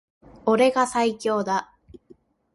俺が最強だ